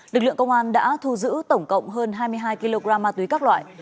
lực lượng công an đã thu giữ tổng cộng hơn hai mươi hai kg ma túy các loại